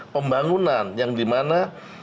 pembangunan yang dimana